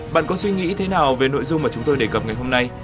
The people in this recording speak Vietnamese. bạn có suy nghĩ thế nào về nội dung mà chúng tôi đề cập ngày hôm nay